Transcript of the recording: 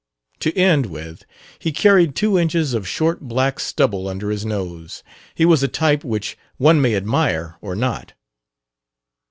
To end with, he carried two inches of short black stubble under his nose. He was a type which one may admire or not.